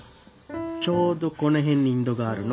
ちょうどこの辺にインドがあるの。